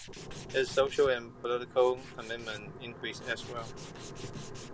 His social and political commitment increased as well.